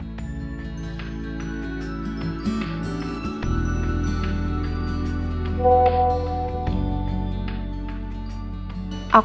bisa aja pak